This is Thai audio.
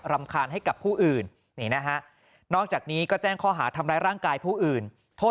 รำคาญให้กับผู้อื่นนี่นะฮะนอกจากนี้ก็แจ้งข้อหาทำร้ายร่างกายผู้อื่นโทษ